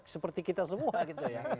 seperti kita semua gitu ya